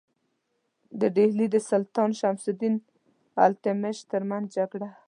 د ډهلي د سلطان شمس الدین التمش ترمنځ جګړه.